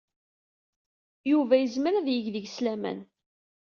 Yuba yezmer ad yeg deg-s laman.